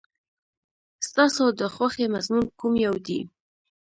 ستاسو د خوښې مضمون کوم یو دی؟